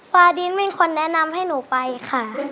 วาดินเป็นคนแนะนำให้หนูไปค่ะ